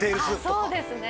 そうですね